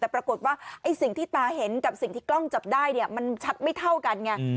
แต่ปรากฏว่าไอ้สิ่งที่ตาเห็นกับสิ่งที่กล้องจับได้เนี่ยมันชัดไม่เท่ากันไง